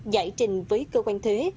giải trình với cơ quan thuế